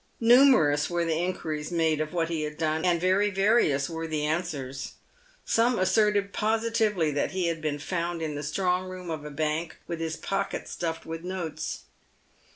Numerous were the inquiries made of what he had done, and very various were the answers. Some asserted positively he had been found in the strong room of a bank with his pockets stuffed with notes.